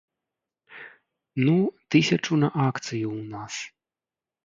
Ну, тысячу на акцыю ў нас.